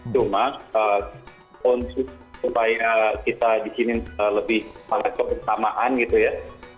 cuma supaya kita dikiniin lebih sangat kekesamaan gitu ya